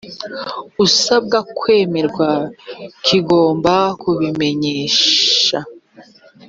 usaba kwemerwa kigomba kubimenyesha